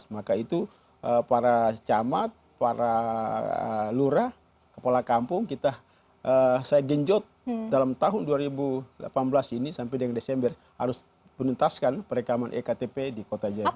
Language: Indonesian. maka itu para camat para lurah kepala kampung saya genjot dalam tahun dua ribu delapan belas ini sampai dengan desember harus menuntaskan perekaman ektp di kota jayapura